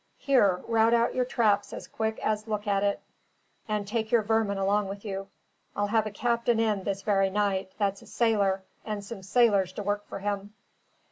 Here, rout out your traps as quick as look at it, and take your vermin along with you. I'll have a captain in, this very night, that's a sailor, and some sailors to work for him."